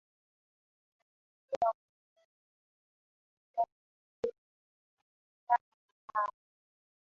inakisiwa kuwa zaidi ya raia wa sudan elfu kumi amekitaka makao